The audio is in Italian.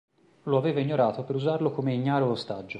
Lo aveva ignorato per usarlo come ignaro ostaggio.